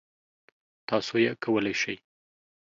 تاسو یې کولی شئ!